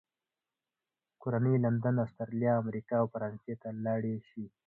کورنۍ یې لندن، استرالیا، امریکا او فرانسې ته لاړې شي.